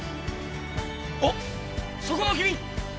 おっそこの君！